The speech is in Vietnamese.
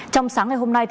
trong sáng ngày hôm nay